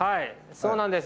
そうなんです。